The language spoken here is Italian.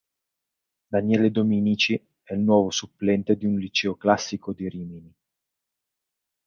Daniele Dominici è il nuovo supplente di un liceo classico di Rimini.